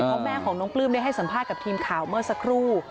เพราะแม่ของน้องปลื้มได้ให้สัมภาษณ์กับทีมข่าวเมื่อสักครู่